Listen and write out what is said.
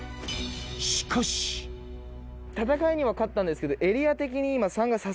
しかし戦いには勝ったんですけどエリア的に今。